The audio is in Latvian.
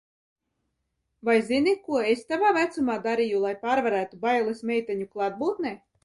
Vai zini, ko es tavā vecumā darīju, lai pārvarētu bailes meiteņu klātbūtnē?